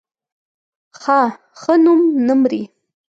ښه نوم نه مري